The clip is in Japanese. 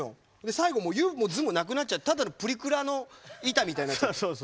最後、「ゆ」も「ず」もなくなってただのプリクラの板みたいになっちゃった。